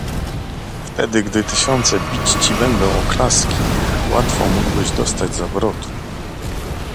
"Wtedy, gdy tysiące bić ci będą oklaski, łatwo mógłbyś dostać zawrotu!"